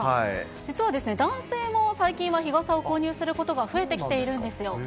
実は男性も最近は日傘を購入することが増えてきているんですよ。